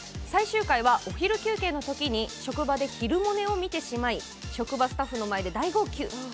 最終回はお昼休憩のときに職場で昼モネを見てしまい職場スタッフの前で大号泣。